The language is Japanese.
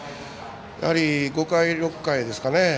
やはり、５回、６回ですかね。